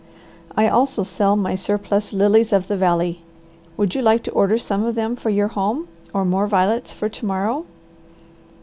I also sell my surplus lilies of the valley. Would you like to order some of them for your house or more violets for to morrow?"